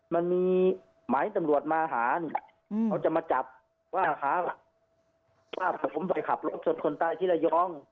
มันมีหมายตำรวจมาหาเนี่ยเขาจะมาจับว่าหาว่าผมไปขับรถชนคนตายที่ระยอง